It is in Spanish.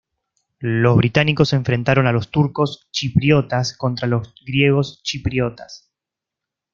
Los británicos enfrentaron a los turcos chipriotas contra los griegos chipriotas.